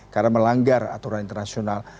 karena melanggar aturan internasional